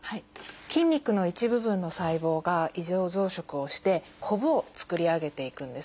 筋肉の一部分の細胞が異常増殖をしてコブを作り上げていくんですね。